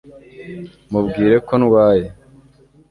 mubwire ko ndwaye